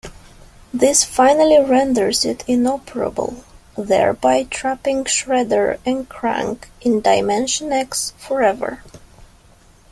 This finally renders it inoperable, thereby trapping Shredder and Krang in Dimension X forever.